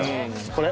これ？